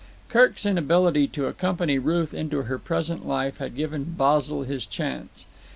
Kirk's inability to accompany Ruth into her present life had given Basil his chance.